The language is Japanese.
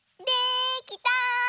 できた！